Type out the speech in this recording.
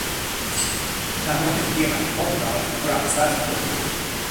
Tā notiek, piemēram, Portugālē, kurā es to redzu ļoti tuvu.